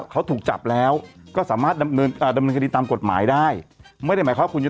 กรัฟต์กรรมเดิมพลอย